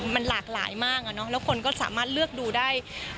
มันหลากหลายมากอะเนาะแล้วคนก็สามารถเลือกดูได้